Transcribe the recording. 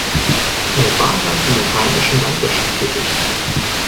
Er war dann in der heimischen Landwirtschaft tätig.